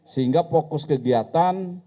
sehingga fokus kegiatan